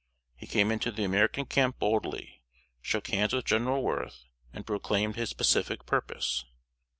He came into the American camp boldly, shook hands with General Worth, and proclaimed his pacific purpose.